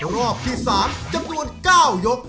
รอบที่สามจำนวนเก้ายก